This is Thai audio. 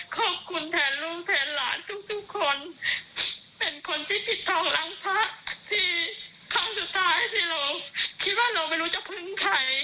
ขอบคุณแทนลุงแทนหลานทุกทุกคนเป็นคนที่ปิดทองหลังพระที่ครั้งสุดท้ายที่เราคิดว่าเราไม่รู้จะพึ่งใคร